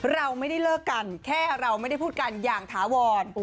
เราไม่ได้เลิกกันแค่เราไม่ได้พูดกันอย่างถาวร